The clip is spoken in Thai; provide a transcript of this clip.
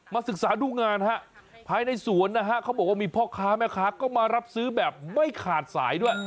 ศึกษาดูงานฮะภายในสวนนะฮะเขาบอกว่ามีพ่อค้าแม่ค้าก็มารับซื้อแบบไม่ขาดสายด้วย